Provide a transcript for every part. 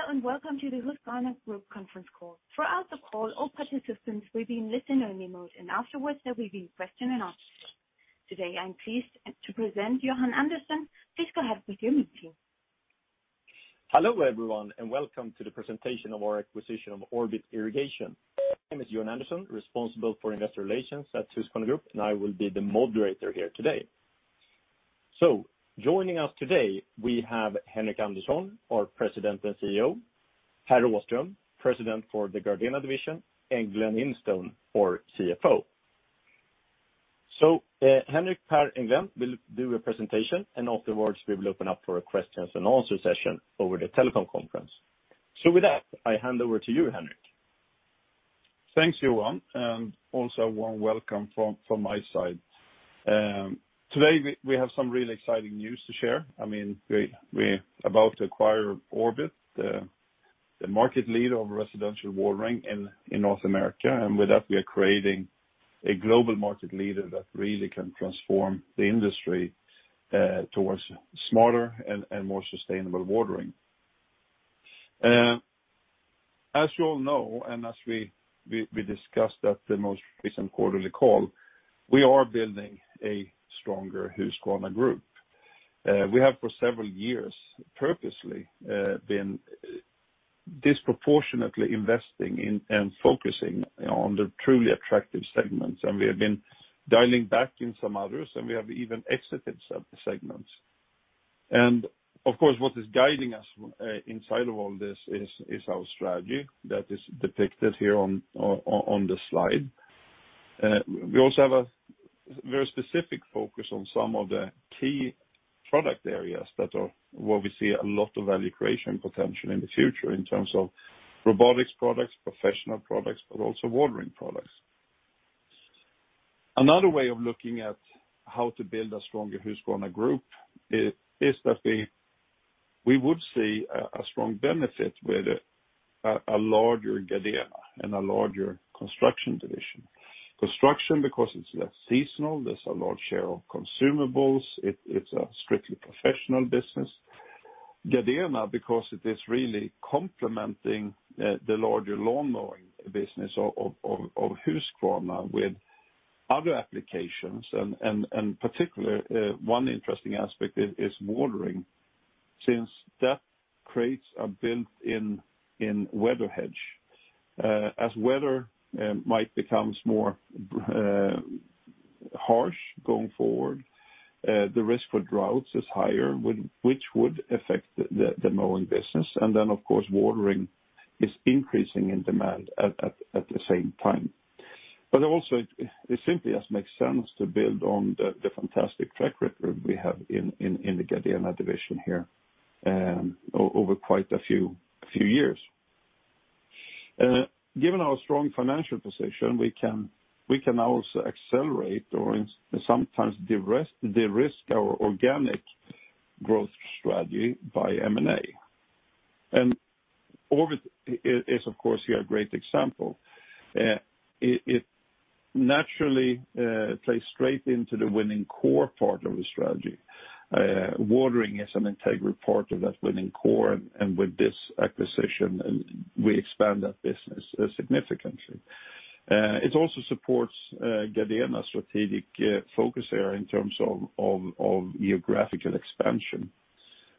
Hello, and welcome to the Husqvarna Group conference call. Throughout the call, all participants will be in listen-only mode, and afterwards, there will be question and answer. Today, I'm pleased to present Johan Andersson. Please go ahead with your meeting. Hello, everyone, and welcome to the presentation of our acquisition of Orbit Irrigation. My name is Johan Andersson, responsible for investor relations at Husqvarna Group, and I will be the moderator here today. Joining us today, we have Henric Andersson, our President and CEO, Pär Åström, President for the Gardena Division, and Glen Instone, our CFO. Henric, Pär, and Glen will do a presentation, and afterwards, we will open up for a questions and answer session over the telephone conference. With that, I hand over to you, Henric. Thanks, Johan, and also warm welcome from my side. Today we have some really exciting news to share. I mean, we're about to acquire Orbit, the market leader of residential watering in North America. With that, we are creating a global market leader that really can transform the industry towards smarter and more sustainable watering. As you all know, and as we discussed at the most recent quarterly call, we are building a stronger Husqvarna Group. We have for several years purposely been disproportionately investing in and focusing on the truly attractive segments, and we have been dialing back in some others, and we have even exited some segments. Of course, what is guiding us inside of all this is our strategy that is depicted here on the slide. We also have a very specific focus on some of the key product areas where we see a lot of value creation potential in the future in terms of robotics products, professional products, but also watering products. Another way of looking at how to build a stronger Husqvarna Group is that we would see a strong benefit with a larger Gardena and a larger construction division. Construction because it's less seasonal, there's a large share of consumables, it's a strictly professional business. Gardena because it is really complementing the larger lawnmowing business of Husqvarna with other applications and, in particular, one interesting aspect is watering since that creates a built-in weather hedge. As weather might become more harsh going forward, the risk for droughts is higher, which would affect the mowing business. Watering is increasing in demand at the same time. It simply just makes sense to build on the fantastic track record we have in the Gardena Division here over quite a few years. Given our strong financial position, we can also accelerate or sometimes de-risk our organic growth strategy by M&A. Orbit is, of course, here a great example. It naturally plays straight into the winning core part of the strategy. Watering is an integral part of that winning core, and with this acquisition, we expand that business significantly. It also supports Gardena strategic focus area in terms of geographical expansion.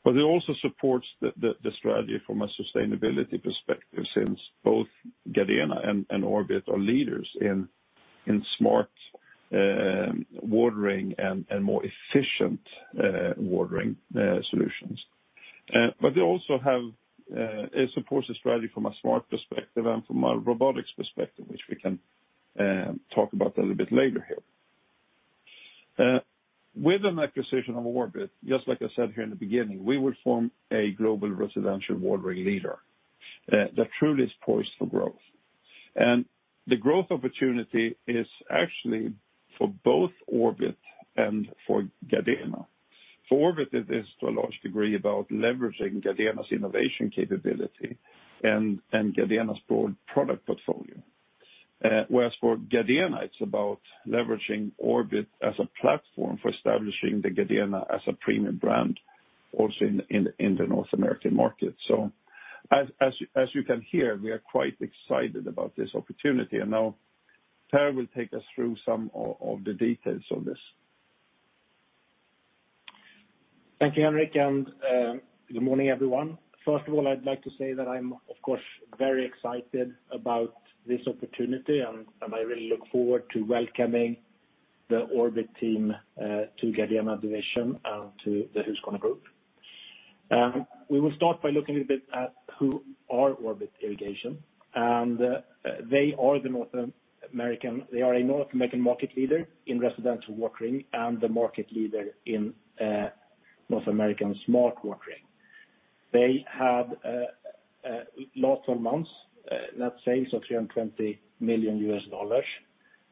It also supports the strategy from a sustainability perspective, since both Gardena and Orbit are leaders in smart watering and more efficient watering solutions. It supports the strategy from a smart perspective and from a robotics perspective, which we can talk about a little bit later here. With an acquisition of Orbit, just like I said here in the beginning, we will form a global residential watering leader that truly is poised for growth. The growth opportunity is actually for both Orbit and for Gardena. For Orbit, it is to a large degree about leveraging Gardena's innovation capability and Gardena's broad product portfolio. Whereas for Gardena, it's about leveraging Orbit as a platform for establishing Gardena as a premium brand also in the North American market. As you can hear, we are quite excited about this opportunity. Now Pär will take us through some of the details of this. Thank you, Henric, and good morning, everyone. First of all, I'd like to say that I'm, of course, very excited about this opportunity, and I really look forward to welcoming the Orbit team to Gardena Division and to the Husqvarna Group. We will start by looking a bit at who are Orbit Irrigation, and they are a North American market leader in residential watering and the market leader in North American smart watering. They had last 12 months net sales of $320 million.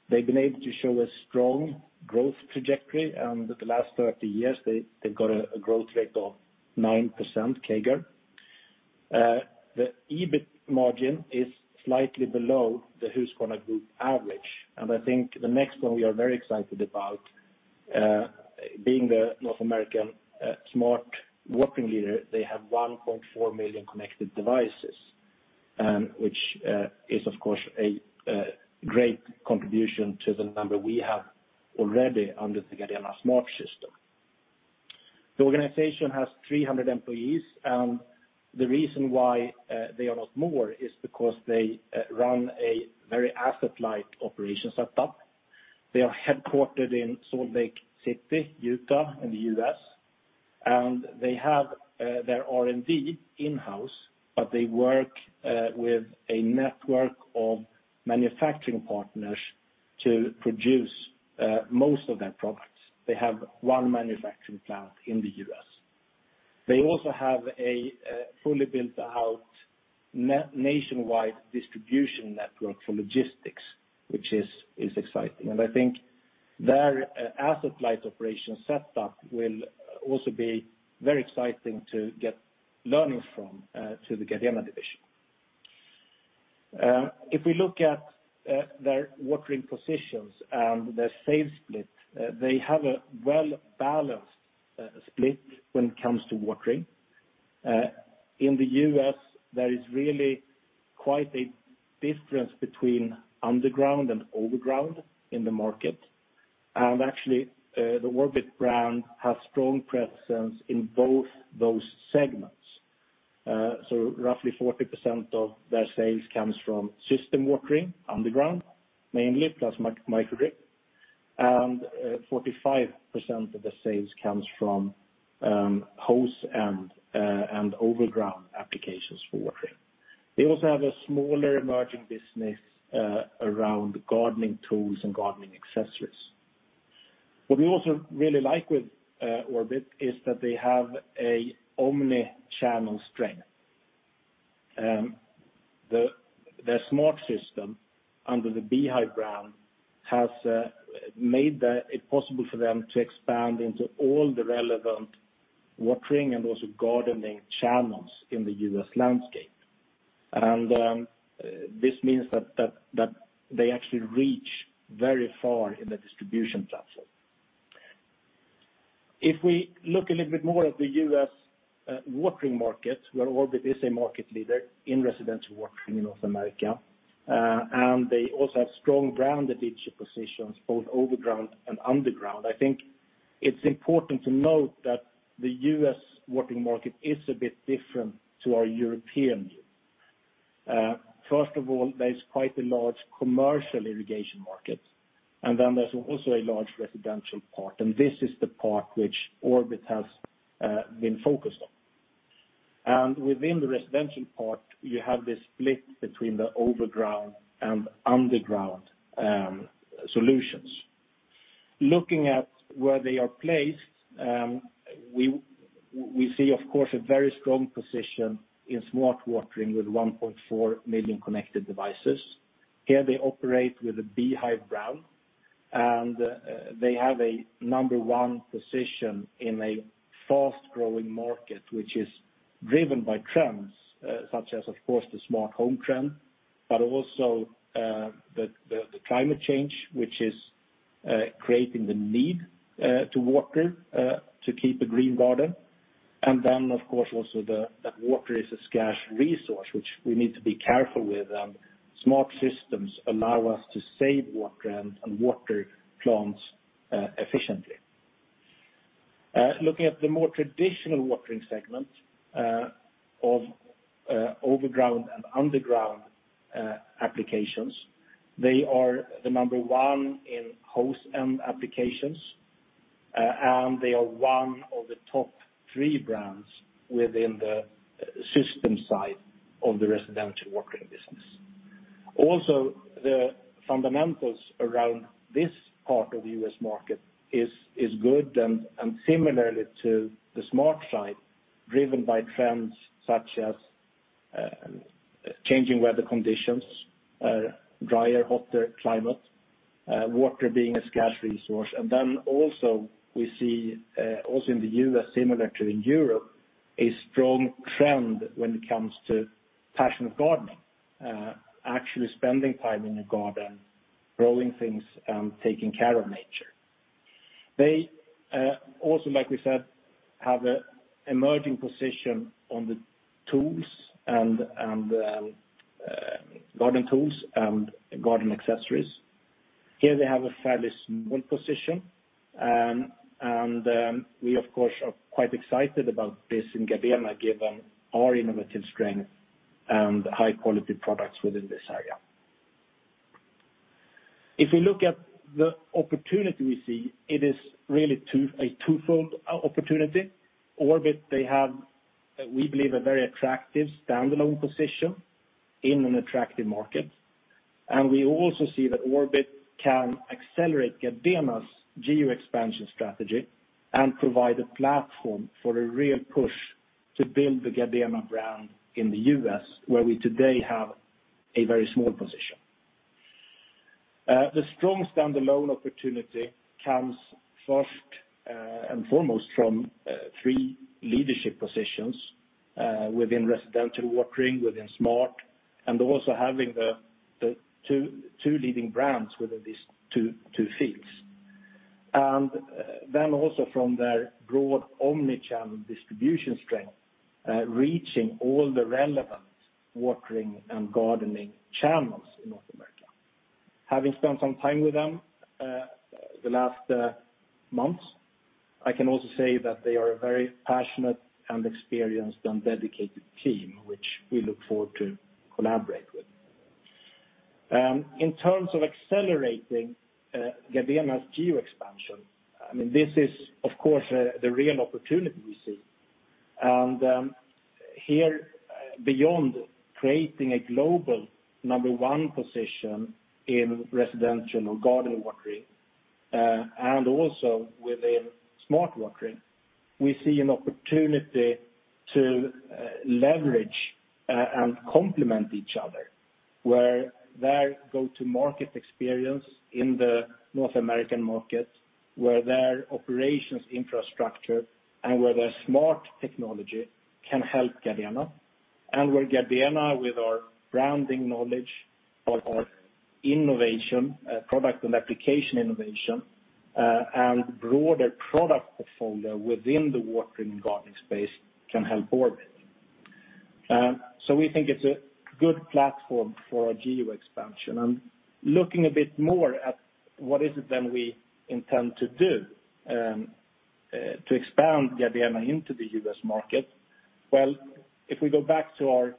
They've been able to show a strong growth trajectory, and the last 30 years they've got a growth rate of 9% CAGR. The EBIT margin is slightly below the Husqvarna Group average, and I think the next one we are very excited about being the North American smart watering leader. They have 1.4 million connected devices, which is of course a great contribution to the number we have already under the Gardena smart system. The organization has 300 employees, and the reason why they are not more is because they run a very asset-light operation setup. They are headquartered in Salt Lake City, Utah, in the U.S., and they have their R&D in-house, but they work with a network of manufacturing partners to produce most of their products. They have one manufacturing plant in the U.S. They also have a fully built-out nationwide distribution network for logistics, which is exciting. I think their asset-light operation setup will also be very exciting to get learning from to the Gardena Division. If we look at their watering positions and their sales split, they have a well-balanced split when it comes to watering. In the U.S., there is really quite a difference between underground and overground in the market. Actually, the Orbit brand has strong presence in both those segments. Roughly 40% of their sales comes from system watering underground, mainly plus micro drip. 45% of the sales comes from hose and overground applications for watering. They also have a smaller emerging business around gardening tools and gardening accessories. What we also really like with Orbit is that they have a omni-channel strength. Their smart system under the B-hyve brand has made it possible for them to expand into all the relevant watering and also gardening channels in the U.S. landscape. This means that they actually reach very far in the distribution platform. If we look a little bit more at the U.S. watering market, where Orbit is a market leader in residential watering in North America, and they also have strong brand and digital positions, both overground and underground. I think it's important to note that the U.S. watering market is a bit different to our European view. First of all, there's quite a large commercial irrigation market, and then there's also a large residential part, and this is the part which Orbit has been focused on. Within the residential part, you have this split between the overground and underground solutions. Looking at where they are placed, we see, of course, a very strong position in smart watering with 1.4 million connected devices. Here they operate with a B-hyve brand, and they have a number one position in a fast-growing market, which is driven by trends such as, of course, the smart home trend, but also the climate change, which is creating the need to water to keep a green garden. Of course, also that water is a scarce resource, which we need to be careful with. Smart systems allow us to save water and water plants efficiently. Looking at the more traditional watering segment of overground and underground applications, they are the number one in hose-end applications, and they are one of the top three brands within the system side of the residential watering business. Also, the fundamentals around this part of the U.S. market is good and similarly to the smart side, driven by trends such as changing weather conditions, drier, hotter climate, water being a scarce resource. We see also in the U.S., similarly to in Europe, a strong trend when it comes to passion for gardening, actually spending time in a garden, growing things, and taking care of nature. They also, like we said, have an emerging position in the tools and garden tools and garden accessories. Here they have a fairly small position, and we of course are quite excited about this in Gardena, given our innovative strength and high-quality products within this area. If we look at the opportunity we see, it is really a twofold opportunity. Orbit, they have we believe a very attractive standalone position in an attractive market. We also see that Orbit can accelerate Gardena's geo-expansion strategy and provide a platform for a real push to build the Gardena brand in the U.S., where we today have a very small position. The strong standalone opportunity comes first and foremost from three leadership positions within residential watering, within smart, and also having the two leading brands within these two fields. Also from their broad omni-channel distribution strength, reaching all the relevant watering and gardening channels in North America. Having spent some time with them, the last months, I can also say that they are a very passionate and experienced and dedicated team, which we look forward to collaborate with. In terms of accelerating Gardena's geo-expansion, I mean, this is, of course, the real opportunity we see. Here beyond creating a global number one position in residential or garden watering, and also within smart watering, we see an opportunity to leverage and complement each other. Where their go-to-market experience in the North American market, where their operations infrastructure, and where their smart technology can help Gardena, and where Gardena with our branding knowledge or our innovation, product and application innovation, and broader product portfolio within the watering and gardening space can help Orbit. We think it's a good platform for our geo-expansion. Looking a bit more at what is it then we intend to do, to expand Gardena into the U.S. market. Well, if we go back to our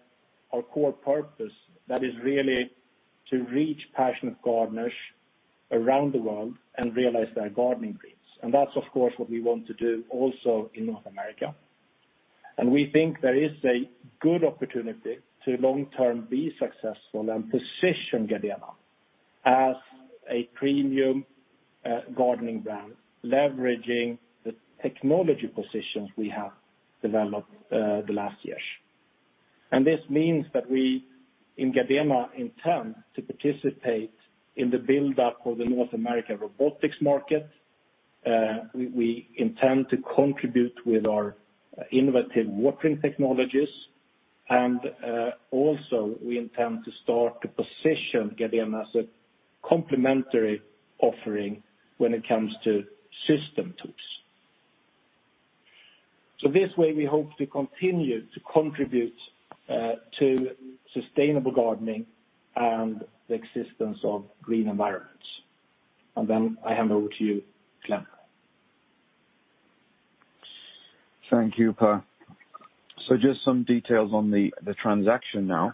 core purpose, that is really to reach passionate gardeners around the world and realize their gardening dreams. That's, of course, what we want to do also in North America. We think there is a good opportunity to long-term be successful and position Gardena as a premium gardening brand, leveraging the technology positions we have developed the last years. This means that we in Gardena intend to participate in the build-up of the North American robotics market. We intend to contribute with our innovative watering technologies, and also we intend to start to position Gardena as a complementary offering when it comes to system tools. This way, we hope to continue to contribute to sustainable gardening and the existence of green environments. I hand over to you, Glen. Thank you, Pär. Just some details on the transaction now.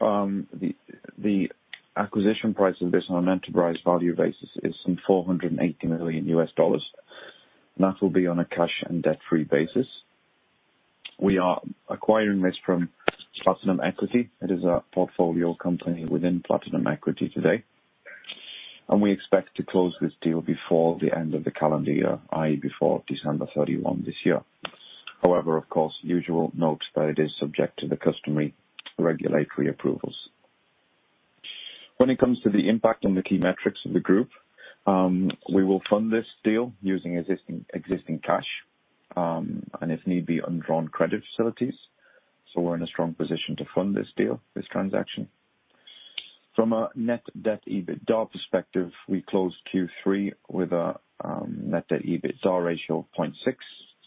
The acquisition price of this on an enterprise value basis is some $480 million. That will be on a cash and debt-free basis. We are acquiring this from Platinum Equity. It is a portfolio company within Platinum Equity today, and we expect to close this deal before the end of the calendar year, i.e., before December 31 this year. However, of course, usual note that it is subject to the customary regulatory approvals. When it comes to the impact on the key metrics of the group, we will fund this deal using existing cash, and if need be undrawn credit facilities. We're in a strong position to fund this deal, this transaction. From a net debt EBITDA perspective, we closed Q3 with a net debt EBITDA ratio of 0.6x.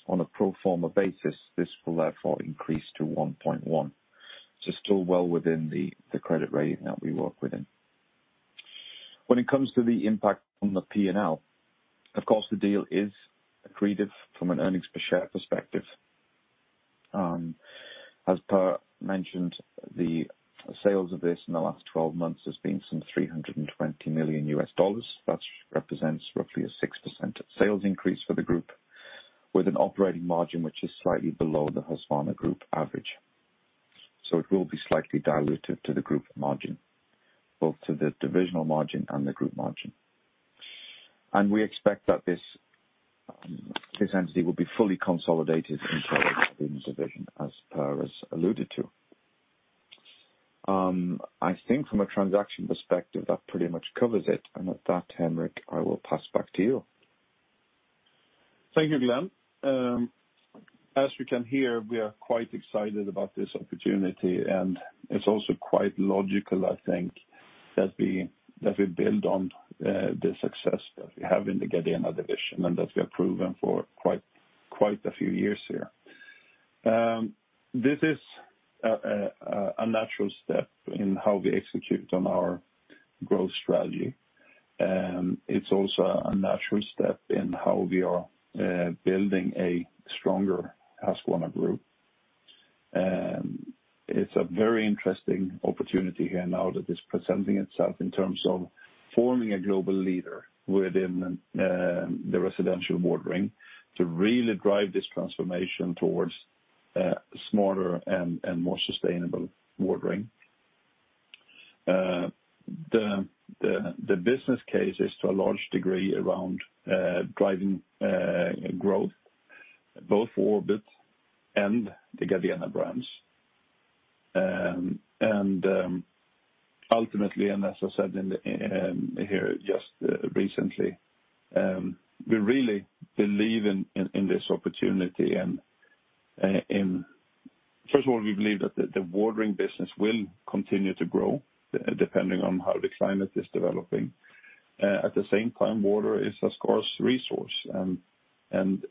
On a pro forma basis, this will therefore increase to 1.1x. Still well within the credit rating that we work within. When it comes to the impact on the P&L, of course, the deal is accretive from an earnings per share perspective. As Pär mentioned, the sales of this in the last twelve months has been some $320 million. That represents roughly a 6% sales increase for the group with an operating margin, which is slightly below the Husqvarna Group average. It will be slightly diluted to the group margin, both to the divisional margin and the group margin. We expect that this entity will be fully consolidated into division, as Pär has alluded to. I think from a transaction perspective, that pretty much covers it. At that, Henric, I will pass back to you. Thank you, Glen. As you can hear, we are quite excited about this opportunity, and it's also quite logical, I think, that we build on the success that we have in the Gardena Division and that we have proven for quite a few years here. This is a natural step in how we execute on our growth strategy. It's also a natural step in how we are building a stronger Husqvarna Group. It's a very interesting opportunity here now that is presenting itself in terms of forming a global leader within the residential watering to really drive this transformation towards smarter and more sustainable watering. The business case is to a large degree around driving growth both for Orbit and the Gardena brands. Ultimately, as I said here just recently, we really believe in this opportunity. First of all, we believe that the watering business will continue to grow depending on how the climate is developing. At the same time, water is a scarce resource, and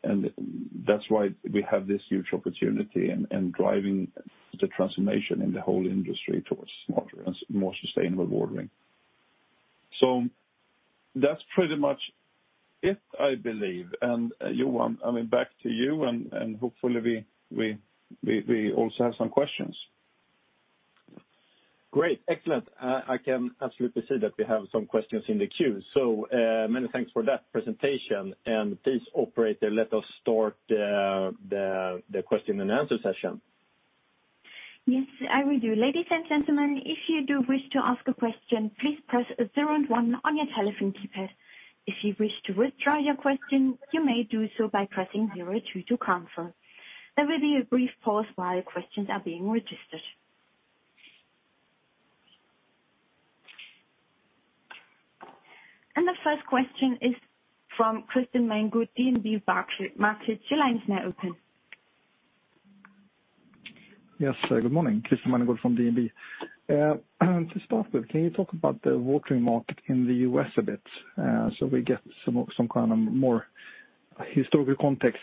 that's why we have this huge opportunity driving the transformation in the whole industry towards smarter and more sustainable watering. That's pretty much it, I believe. Johan, I mean, back to you, and hopefully we also have some questions. Great. Excellent. I can absolutely see that we have some questions in the queue. Many thanks for that presentation. Please, operator, let us start the question and answer session. Yes, I will do. Ladies and gentlemen, if you do wish to ask a question, please press zero and one on your telephone keypad. If you wish to withdraw your question, you may do so by pressing zero, two to confirm. There will be a brief pause while your questions are being registered. The first question is from Christer Magnergård, DNB Bank. Christer, your line is now open. Yes. Good morning. Christer Magnergård from DNB. To start with, can you talk about the watering market in the U.S. a bit, so we get some kind of more historical context,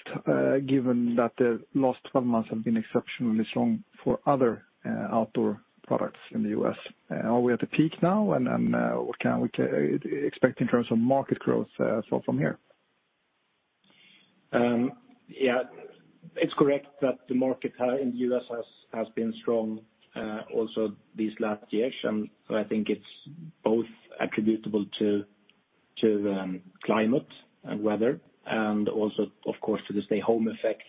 given that the last 12 months have been exceptionally strong for other outdoor products in the U.S.? Are we at a peak now, and what can we expect in terms of market growth, so from here? Yeah. It's correct that the market in the U.S. has been strong also these last years. I think it's both attributable to climate and weather and also, of course, to the stay home effect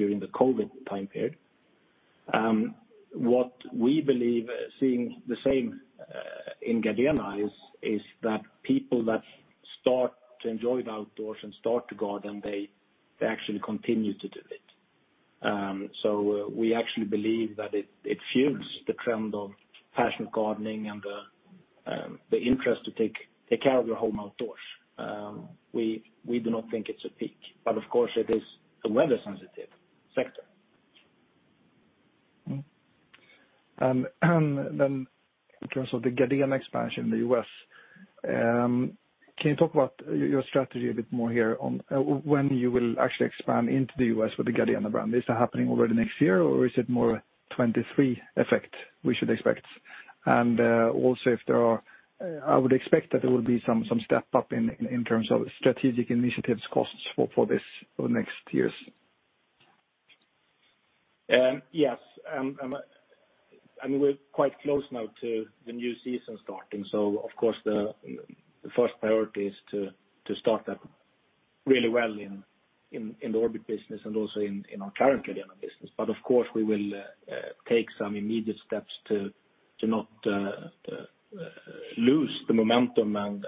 during the COVID time period. What we believe, seeing the same in Gardena, is that people that start to enjoy the outdoors and start to garden, they actually continue to do it. We actually believe that it fuels the trend of passion gardening and the interest to take care of your home outdoors. We do not think it's a peak, but of course it is a weather-sensitive sector. In terms of the Gardena expansion in the U.S., can you talk about your strategy a bit more here on when you will actually expand into the U.S. with the Gardena brand? Is it happening already next year, or is it more a 2023 effect we should expect? Also, I would expect that there will be some step up in terms of strategic initiatives costs for this next years. Yes. I mean, we're quite close now to the new season starting, so of course the first priority is to start that really well in the Orbit business and also in our current Gardena business. Of course we will take some immediate steps to not lose the momentum and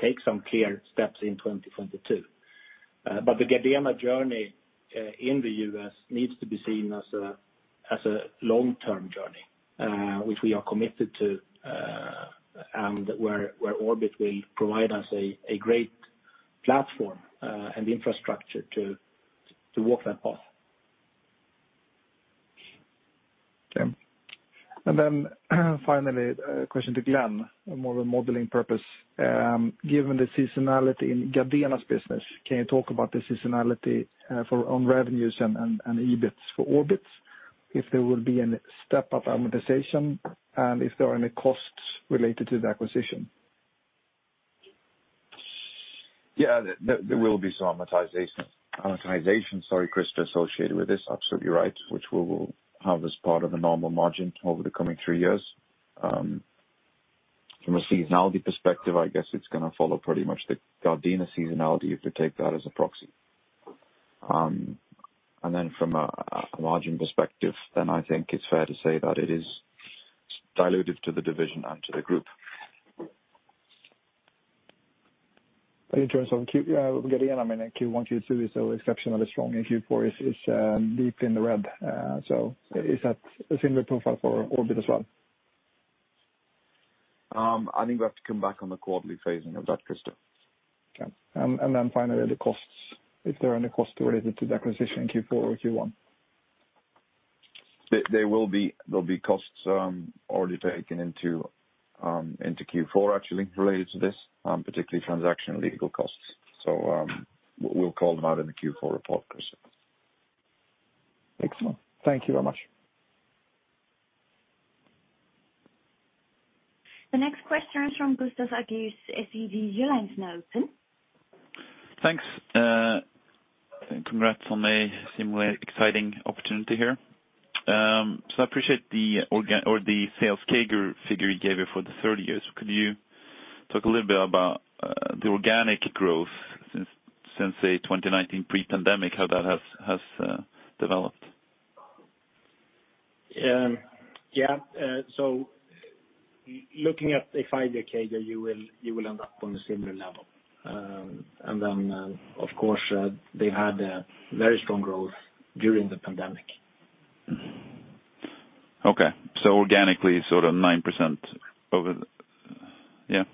take some clear steps in 2022. The Gardena journey in the U.S. needs to be seen as a long-term journey, which we are committed to, and where Orbit will provide us a great platform and infrastructure to walk that path. Okay. Finally, a question to Glen, more of a modeling purpose. Given the seasonality in Gardena's business, can you talk about the seasonality for own revenues and EBITs for Orbit? If there will be any step up amortization and if there are any costs related to the acquisition? Yeah. There will be some amortization, sorry, Christer, associated with this. Absolutely right, which we will have as part of a normal margin over the coming three years. From a seasonality perspective, I guess it's gonna follow pretty much the Gardena seasonality, if you take that as a proxy. From a margin perspective, then I think it's fair to say that it is dilutive to the division and to the group. In terms of Gardena, I mean, Q1, Q2 is exceptionally strong, and Q4 is deep in the red. Is that a similar profile for Orbit as well? I think we have to come back on the quarterly phasing of that, Christer. Okay. Finally, the costs, if there are any costs related to the acquisition in Q4 or Q1? There'll be costs already taken into Q4 actually related to this, particularly transaction legal costs. We'll call them out in the Q4 report, Christer. Excellent. Thank you very much. The next question is from Gustav Hagéus, SEB. Your line is now open. Thanks. Congrats on a similarly exciting opportunity here. I appreciate the sales CAGR figure you gave here for the 30 years. Could you talk a little bit about the organic growth since say 2019 pre-pandemic, how that has developed? Yeah. Looking at a five-year CAGR, you will end up on a similar level. Of course, they've had a very strong growth during the pandemic. Okay. Organically sort of 9%. Yeah.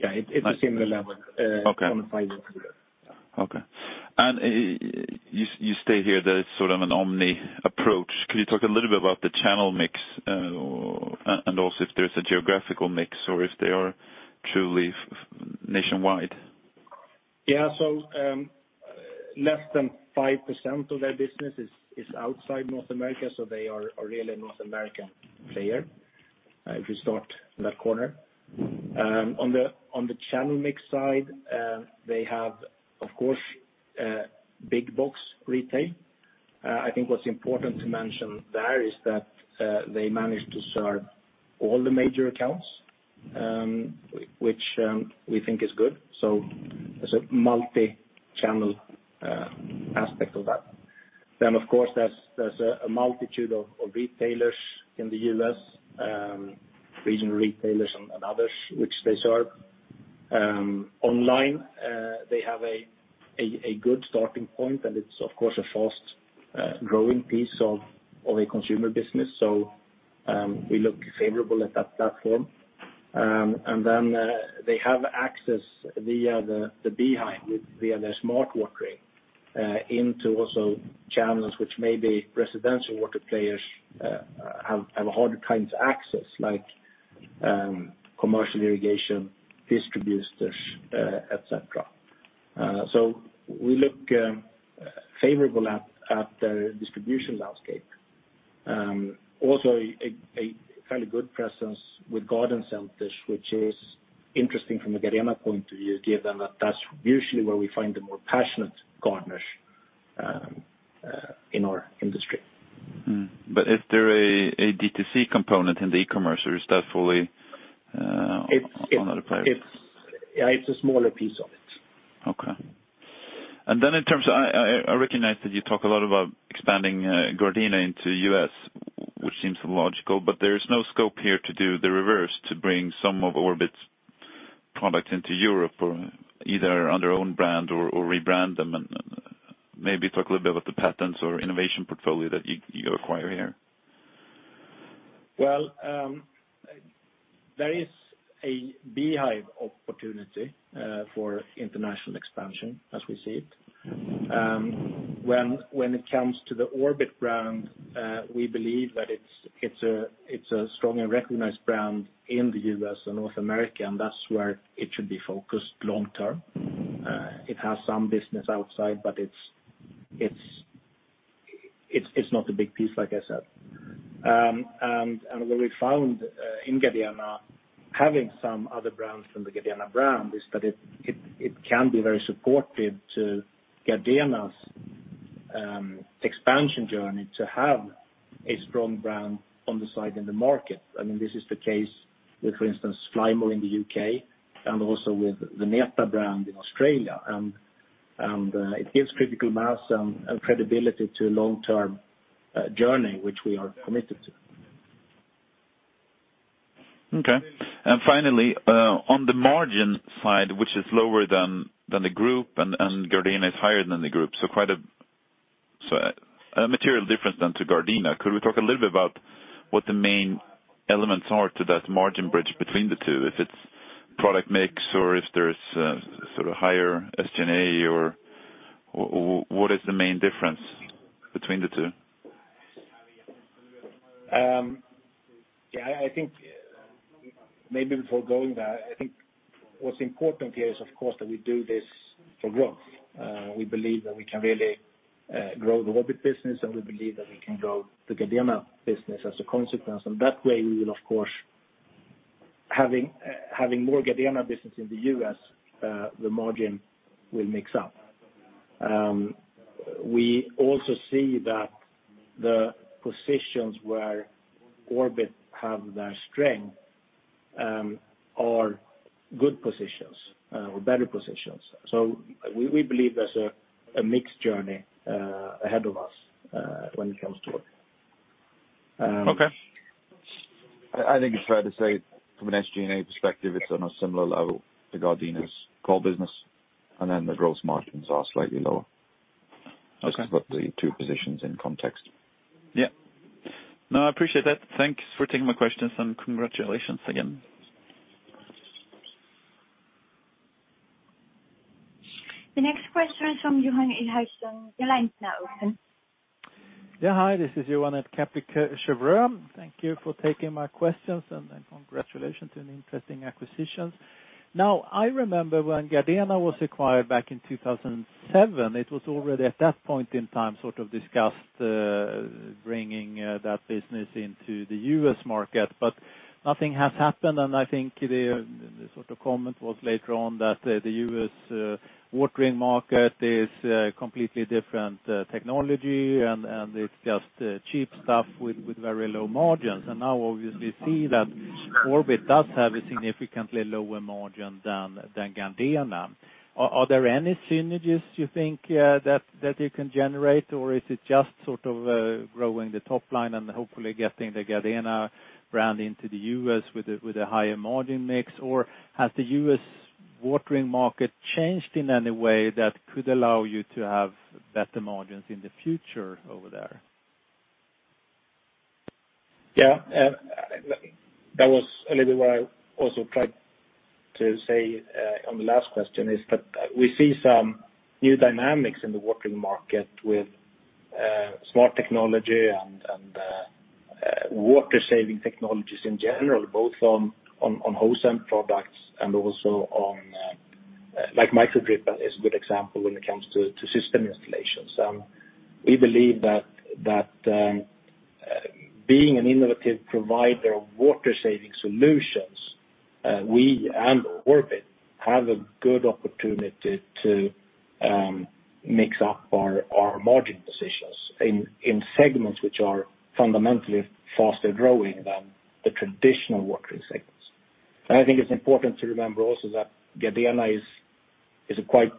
Yeah. It's a similar level. Okay. On a five-year period. Okay. You stay here. There's sort of an omni approach. Can you talk a little bit about the channel mix, and also if there's a geographical mix or if they are truly nationwide? Yeah. Less than 5% of their business is outside North America, so they are really a North American player if you start in that corner. On the channel mix side, they have, of course, big box retail. I think what's important to mention there is that they managed to serve all the major accounts, which we think is good, so there's a multi-channel aspect of that. Of course, there's a multitude of retailers in the U.S., regional retailers and others which they serve. Online, they have a good starting point, and it's of course a fast growing piece of a consumer business. We look favorable at that platform. They have access via the B-hyve, via their smart watering, into also channels which may be residential watering players have a harder time to access, like commercial irrigation distributors, et cetera. We look favorable at the distribution landscape. Also a fairly good presence with garden centers which is interesting from a Gardena point of view, given that that's usually where we find the more passionate gardeners in our industry. Mm-hmm. Is there a D2C component in the e-commerce, or is that fully on other platforms? Yeah, it's a smaller piece of it. Okay. In terms of I recognize that you talk a lot about expanding Gardena into the U.S., which seems logical, but there is no scope here to do the reverse, to bring some of Orbit's product into Europe or either under own brand or rebrand them and maybe talk a little bit about the patents or innovation portfolio that you acquire here. Well, there is a B-hyve opportunity for international expansion as we see it. When it comes to the Orbit brand, we believe that it's a strongly recognized brand in the U.S. and North America, and that's where it should be focused long term. It has some business outside, but it's not a big piece, like I said. What we found in Gardena, having some other brands from the Gardena brand is that it can be very supportive to Gardena's expansion journey to have a strong brand on the side in the market. I mean, this is the case with, for instance, Flymo in the U.K. and also with the Neta brand in Australia. It gives critical mass and credibility to a long-term journey which we are committed to. Okay. Finally, on the margin side, which is lower than the group and Gardena is higher than the group, a material difference then to Gardena. Could we talk a little bit about what the main elements are to that margin bridge between the two, if it's product mix or if there's sort of higher SG&A or what is the main difference between the two? Yeah, I think maybe before going there, I think what's important here is of course that we do this for growth. We believe that we can really grow the Orbit business, and we believe that we can grow the Gardena business as a consequence. That way we will of course have more Gardena business in the U.S., the margin will mix up. We also see that the positions where Orbit have their strength are good positions or better positions. We believe there's a mixed journey ahead of us when it comes to Orbit. Okay. I think it's fair to say from an SG&A perspective, it's on a similar level to Gardena's core business, and then the gross margins are slightly lower. Okay. Just to put the two positions in context. Yeah. No, I appreciate that. Thanks for taking my questions, and congratulations again. The next question is from Johan Eliason. Your line's now open. Yeah. Hi, this is Johan at Kepler Cheuvreux. Thank you for taking my questions, and then congratulations on an interesting acquisition. Now, I remember when Gardena was acquired back in 2007, it was already at that point in time sort of discussed bringing that business into the U.S. market, but nothing has happened. I think the sort of comment was later on that the U.S. watering market is a completely different technology and it's just cheap stuff with very low margins. Now obviously see that Orbit does have a significantly lower margin than Gardena. Are there any synergies you think that you can generate, or is it just sort of growing the top line and hopefully getting the Gardena brand into the U.S. with a higher margin mix? Has the U.S. watering market changed in any way that could allow you to have better margins in the future over there? Yeah, that was a little bit what I also tried to say on the last question, is that we see some new dynamics in the watering market with smart technology and water-saving technologies in general, both on hose end products and also on like micro dripper is a good example when it comes to system installations. We believe that being an innovative provider of water-saving solutions, we and Orbit have a good opportunity to mix up our margin positions in segments which are fundamentally faster-growing than the traditional watering segments. I think it's important to remember also that Gardena is a quite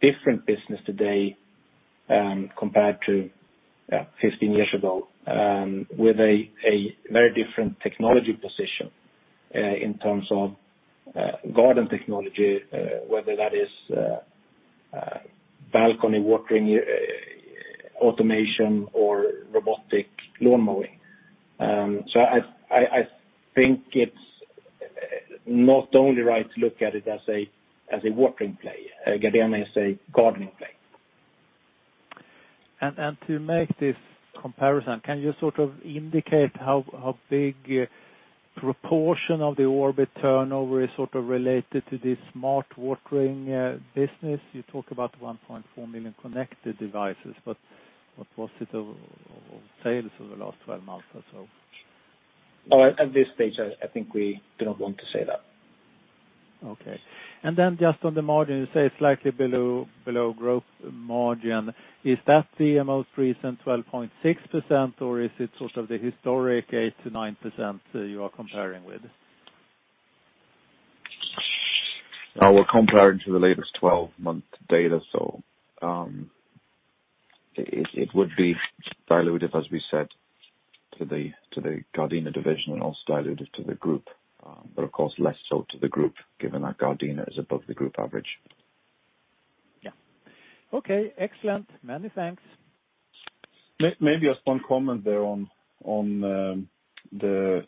different business today, compared to 15 years ago, with a very different technology position in terms of garden technology, whether that is balcony watering, automation or robotic lawn mowing. I think it's not only right to look at it as a watering play. Gardena is a gardening play. To make this comparison, can you sort of indicate how big a proportion of the Orbit turnover is sort of related to this smart watering business? You talk about 1.4 million connected devices, but what was the sales over the last 12 months or so? Well, at this stage, I think we do not want to say that. Okay. Just on the margin, you say slightly below gross margin. Is that the most recent 12.6%, or is it sort of the historic 8%-9% you are comparing with? We're comparing to the latest 12-month data. It would be dilutive, as we said, to the Gardena Division and also dilutive to the group. Of course, less so to the group, given that Gardena is above the group average. Yeah. Okay. Excellent. Many thanks. Maybe just one comment there on the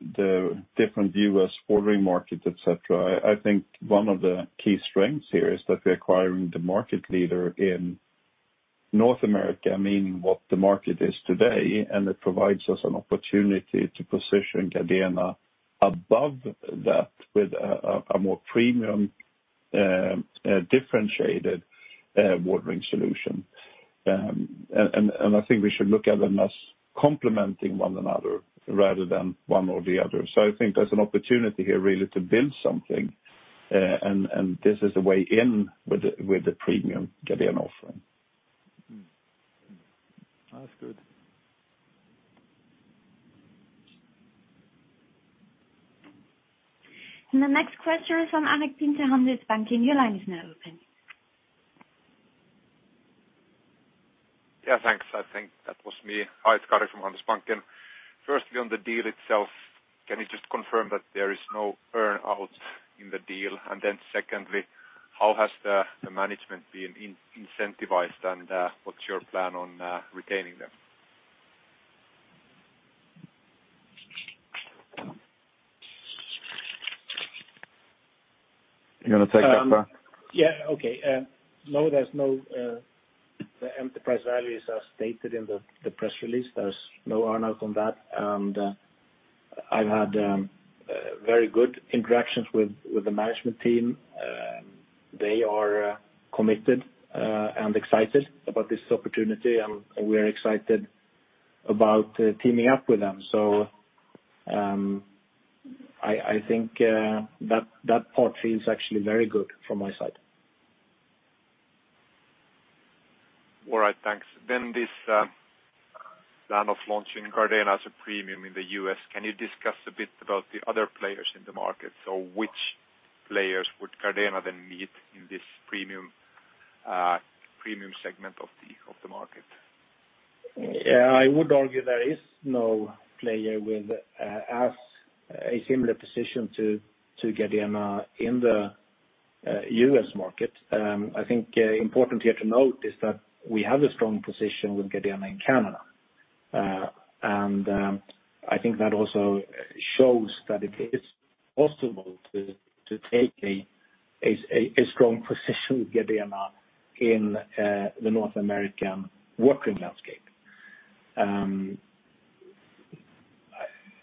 various watering market, etc. I think one of the key strengths here is that we're acquiring the market leader in North America, meaning what the market is today, and it provides us an opportunity to position Gardena above that with a more premium differentiated watering solution. I think we should look at them as complementing one another rather than one or the other. I think there's an opportunity here really to build something, and this is a way in with the premium Gardena offering. Mm-hmm. That's good. The next question is from Adela Dashian, Handelsbanken. Your line is now open. Yeah, thanks. I think that was me. Hi, it's Adela from Handelsbanken. Firstly, on the deal itself, can you just confirm that there is no earn-out in the deal? Then secondly, how has the management been incentivized, and what's your plan on retaining them? You wanna take that, Pär? Yeah. Okay. The enterprise values are stated in the press release. There's no earn-out on that. I've had very good interactions with the management team. They are committed and excited about this opportunity, and we're excited about teaming up with them. I think that part feels actually very good from my side. All right. Thanks. This plan of launching Gardena as a premium in the U.S., can you discuss a bit about the other players in the market? Which players would Gardena then meet in this premium segment of the market? Yeah, I would argue there is no player with as a similar position to Gardena in the U.S. market. I think important here to note is that we have a strong position with Gardena in Canada. I think that also shows that it is possible to take a strong position with Gardena in the North American watering landscape.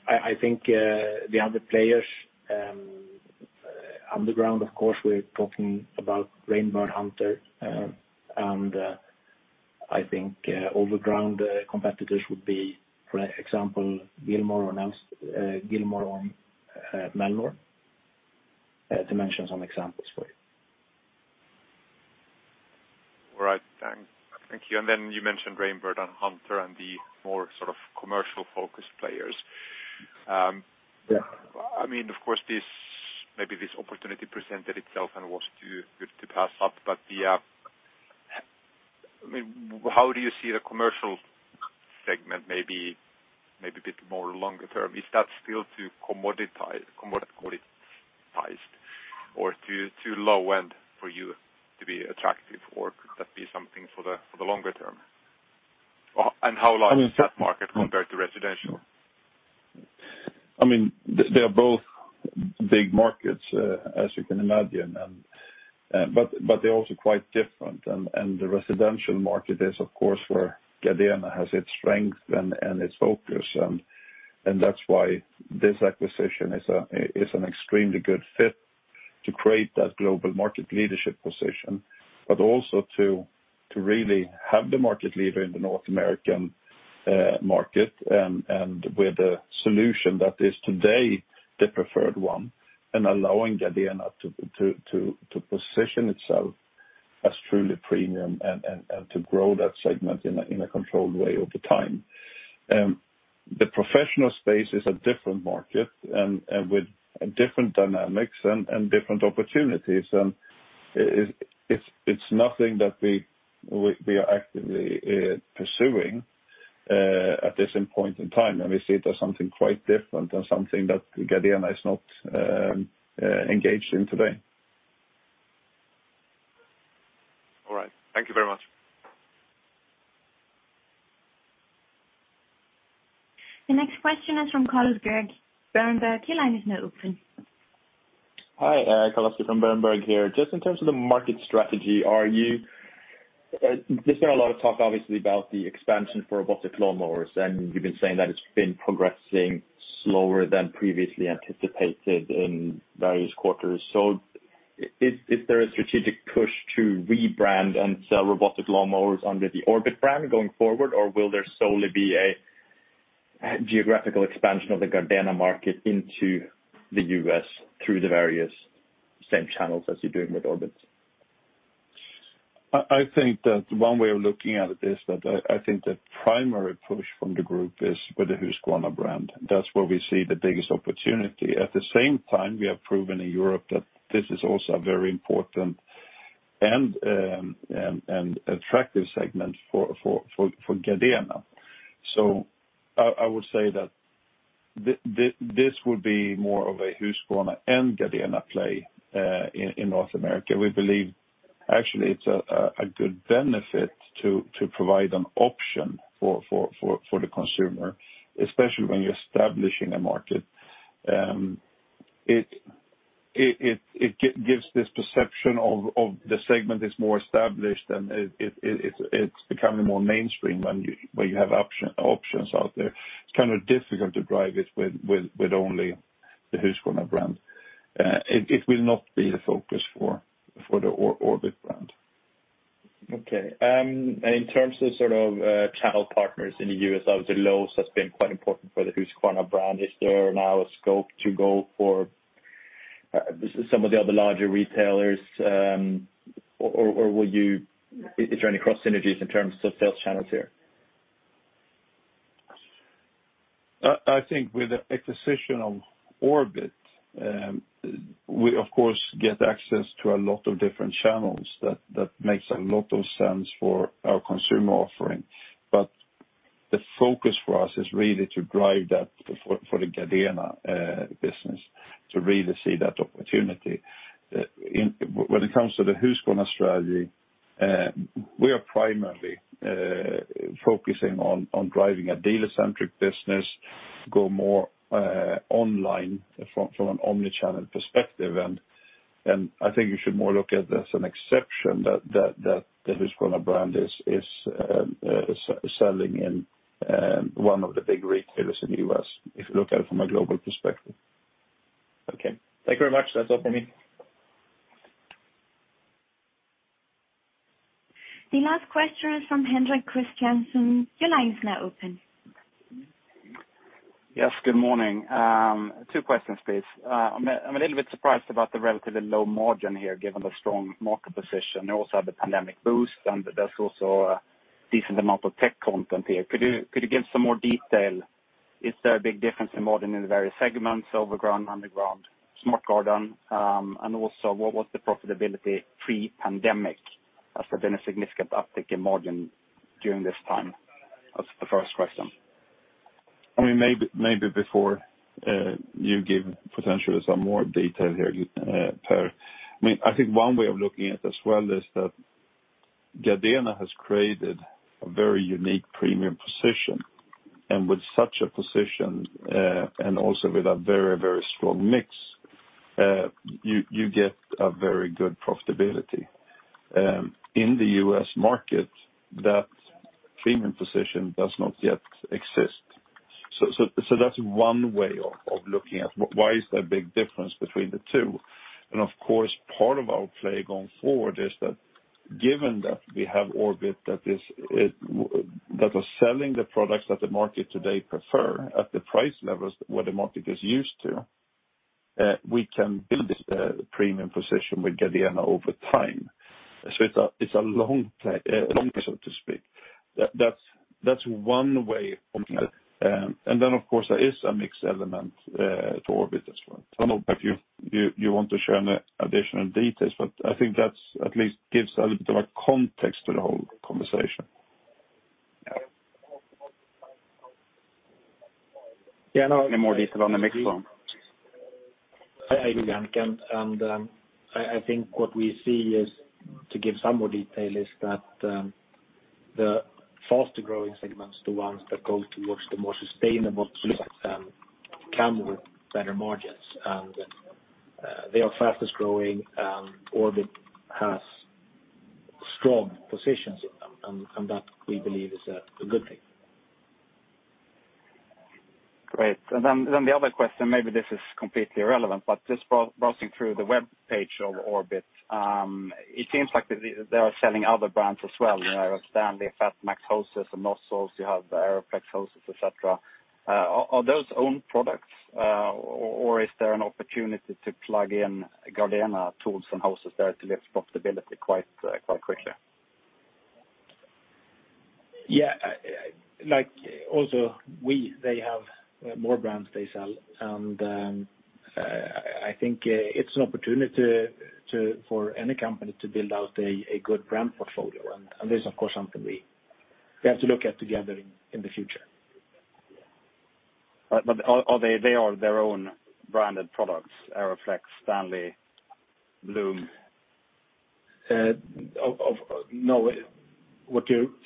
I think the other players underground, of course, we're talking about Rain Bird, Hunter. I think overground competitors would be, for example, Gilmour and Melnor, to mention some examples for you. All right. Thank you. You mentioned Rain Bird and Hunter and the more sort of commercial-focused players. Yeah. I mean, of course, this, maybe this opportunity presented itself and was too good to pass up. The, I mean, how do you see the commercial segment, maybe a bit more longer term? Is that still too commoditized or too low end for you to be attractive, or could that be something for the longer term? How large is that market compared to residential? I mean, they are both big markets, as you can imagine and, but they're also quite different, and the residential market is, of course, where Gardena has its strength and its focus and that's why this acquisition is an extremely good fit to create that global market leadership position. Also to really have the market leader in the North American market, and with a solution that is today the preferred one, and allowing Gardena to position itself as truly premium and to grow that segment in a controlled way over time. The professional space is a different market and with different dynamics and different opportunities. It's nothing that we are actively pursuing at this point in time. We see it as something quite different and something that Gardena is not engaged in today. All right. Thank you very much. The next question is from Carl-Oscar Berglund, Berenberg. Your line is now open. Hi, Carl-Oscar Berglund from Berenberg here. Just in terms of the market strategy, there's been a lot of talk, obviously, about the expansion for robotic lawn mowers, and you've been saying that it's been progressing slower than previously anticipated in various quarters. Is there a strategic push to rebrand and sell robotic lawn mowers under the Orbit brand going forward? Or will there solely be a geographical expansion of the Gardena market into the U.S. through the various same channels as you're doing with Orbit? I think that one way of looking at it is that I think the primary push from the group is with the Husqvarna brand. That's where we see the biggest opportunity. At the same time, we have proven in Europe that this is also a very important and attractive segment for Gardena. I would say that this would be more of a Husqvarna and Gardena play in North America. We believe, actually, it's a good benefit to provide an option for the consumer, especially when you're establishing a market. It gives this perception of the segment is more established, and it's becoming more mainstream where you have options out there. It's kind of difficult to drive it with only the Husqvarna brand. It will not be the focus for the Orbit brand. Okay. In terms of sort of channel partners in the U.S., obviously, Lowe's has been quite important for the Husqvarna brand. Is there now a scope to go for some of the other larger retailers, or is there any cross synergies in terms of sales channels here? I think with the acquisition of Orbit, we of course get access to a lot of different channels that makes a lot of sense for our consumer offering. The focus for us is really to drive that for the Gardena business to really see that opportunity. When it comes to the Husqvarna strategy, we are primarily focusing on driving a dealer-centric business, go more online from an omni-channel perspective. I think you should look more at this as an exception that the Husqvarna brand is selling in one of the big retailers in the U.S., if you look at it from a global perspective. Okay. Thank you very much. That's all for me. The last question is from Henrik Christiansson. Your line is now open. Yes, good morning. Two questions, please. I'm a little bit surprised about the relatively low margin here, given the strong market position. You also have the pandemic boost, and there's also a decent amount of tech content here. Could you give some more detail? Is there a big difference in margin in the various segments, overground, underground, smart garden? And also, what was the profitability pre-pandemic? As there's been a significant uptick in margin during this time. That's the first question. I mean, maybe before you give potentially some more detail here, Pär. I mean, I think one way of looking at it as well is that Gardena has created a very unique premium position. With such a position, and also with a very strong mix, you get a very good profitability. In the U.S. market, that premium position does not yet exist. That's one way of looking at why there is a big difference between the two. Of course, part of our play going forward is that given that we have Orbit that was selling the products that the market today prefer at the price levels where the market is used to, we can build this premium position with Gardena over time. It's a long play, so to speak. That's one way of looking at it. Of course, there is a mix element to Orbit as well. I don't know if you want to share any additional details, but I think that at least gives a little bit of a context to the whole conversation. Yeah, no- Any more detail on the mix flow? I agree, and I think what we see is to give some more detail is that the faster-growing segments, the ones that go towards the more sustainable solutions, come with better margins. They are fastest-growing, and Orbit has strong positions in them, and that we believe is a good thing. Great. The other question, maybe this is completely irrelevant, but just browsing through the webpage of Orbit, it seems like they are selling other brands as well. You have Stanley FatMax hoses and nozzles, you have Aero-Flex hoses, et cetera. Are those own products, or is there an opportunity to plug in Gardena tools and hoses there to lift profitability quite quickly? Yeah. Like also they have more brands they sell, and I think it's an opportunity for any company to build out a good brand portfolio. This, of course, is something we have to look at together in the future. Are they their own branded products, Aero-Flex, Stanley, Blum?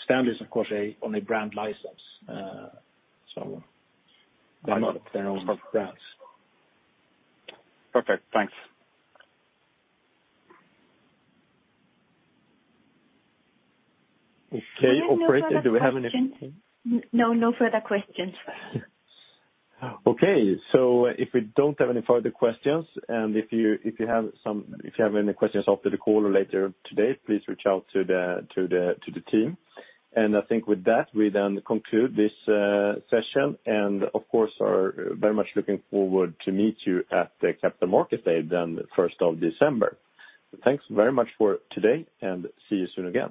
Stanley is, of course, on a brand license. They're not their own brands. Perfect. Thanks. Okay. Operator, do we have any? No, no further questions. Okay. So if we don't have any further questions, and if you have any questions after the call or later today, please reach out to the team. I think with that, we then conclude this session, and of course, are very much looking forward to meet you at the Capital Markets Day then 1st of December. Thanks very much for today, and see you soon again.